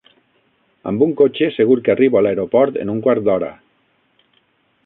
Amb un cotxe segur que arribo a l'aeroport en un quart d'hora.